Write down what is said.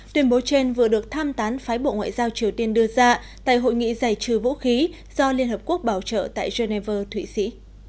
tuyên bố trên vừa được tham tán phái bộ ngoại giao triều tiên đưa ra tại hội nghị giải trừ vũ khí do liên hợp quốc bảo trợ tại geneva thụy sĩ